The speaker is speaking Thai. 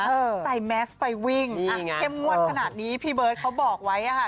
ใส่แมสไปวิ่งอ่ะเข้มงวดขนาดนี้พี่เบิร์ตเขาบอกไว้อ่ะค่ะ